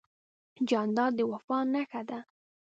جانداد د وفا نښه ده.